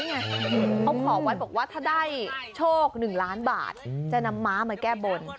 เขาขอไว้บอกว่าถ้าได้โชค๑ล้านบาทจะนำม้ามาแก้บน